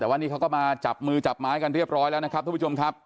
แต่ว่านี่เขาก็มาจับมือจับไม้กันเรียบร้อยแล้วนะครับทุกผู้ชมครับ